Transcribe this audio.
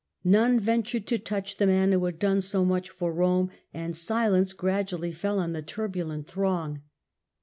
None ventured to touch the man who had done so much for Rome, and silence gradually fell on the turbulent throng.